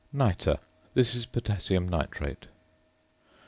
~Nitre.~ This is potassium nitrate.